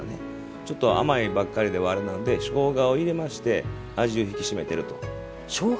ちょっと甘いばかりではあれなのでしょうがを入れまして味を引き締めていると。